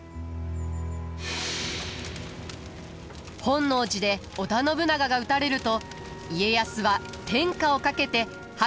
本能寺で織田信長が討たれると家康は天下をかけて羽柴秀吉と激突。